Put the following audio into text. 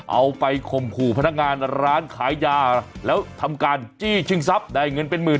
ข่มขู่พนักงานร้านขายยาแล้วทำการจี้ชิงทรัพย์ได้เงินเป็นหมื่น